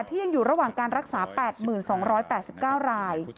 ที่ยังอยู่ระหว่างการรักษา๘๒๘๙ราย